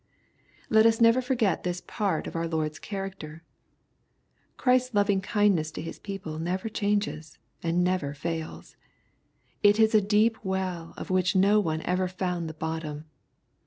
Let us never forget this part of our Lord's character. Christ's loving kindness to His people never changes, and never fails. It is a deep well of which no one ever found the bottom.